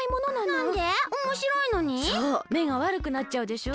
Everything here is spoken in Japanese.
そうめがわるくなっちゃうでしょ？